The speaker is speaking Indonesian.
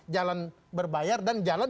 jalan berbayar dan jalan